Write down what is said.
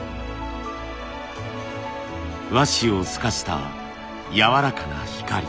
和紙を透かしたやわらかな光。